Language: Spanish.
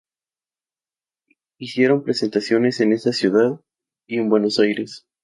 Hicieron presentaciones en esa ciudad y en Buenos Aires.